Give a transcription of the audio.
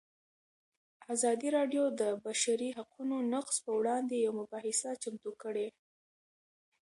ازادي راډیو د د بشري حقونو نقض پر وړاندې یوه مباحثه چمتو کړې.